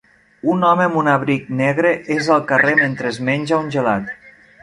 Un home amb un abric negre és al carrer mentre es menja un gelat